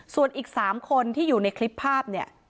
ส่วนอีก๓คนที่อยู่ในคลิปภาพเนี่ย